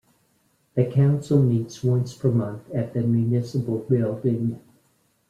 The council meets once per month at the municipal building.